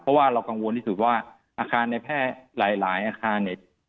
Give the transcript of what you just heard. เพราะว่าเรากังวลที่สุดว่าอาคารในแพทย์หลายอาคารเนี่ย